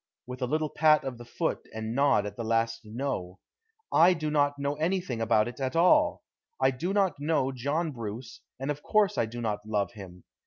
with a little pat of the foot and nod at the last "No." "I do not know anything about it at all. I do not know John Bruce, and of course I do not love him.